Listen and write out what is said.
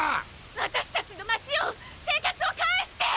私達の街を生活を返して！